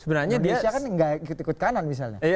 indonesia kan nggak ikut ikut kanan misalnya